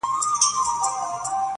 د بلبلکو له سېلونو به وي ساه ختلې-